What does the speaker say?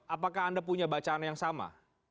apakah anda punya bacaan yang sama